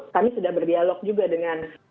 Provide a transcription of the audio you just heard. kami sudah berdialog juga dengan